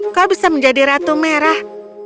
aku akan menjadi ratu merah